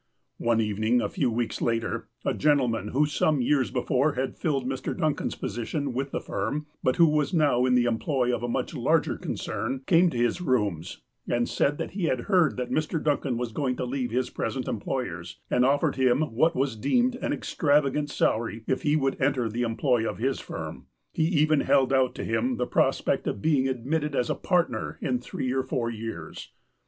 One evening, a few weeks later, a gentleman who some years before had filled Mr. Duncan's position with the firm, but who was now in the employ of a much larger con cern, came to his rooms and said that he had heard that Mr. Duncan was going to leave his present employers, and offered him what was deemed an extravagant salary if he would enter the employ of his firm. He even held out to him the prospect of being admitted as a partner in three or four years.